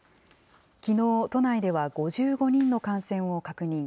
きのう、都内では５５人の感染を確認。